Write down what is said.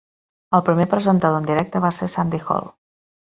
El primer presentador en directe va ser Sandi Hall.